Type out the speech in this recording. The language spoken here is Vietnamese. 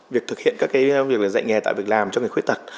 việc thực hiện các việc dạy nghề tạo việc làm cho người khuyết tật